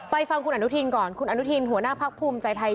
ฟังคุณอนุทินก่อนคุณอนุทินหัวหน้าพักภูมิใจไทย